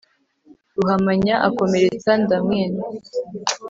Ruhamanya akomeretse ndamwina,